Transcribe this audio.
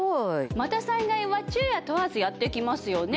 また災害は昼夜問わずやって来ますよね。